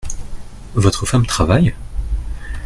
Votre femme travaille ?